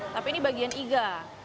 tapi ini bagian iga